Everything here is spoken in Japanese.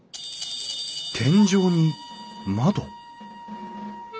天井に窓？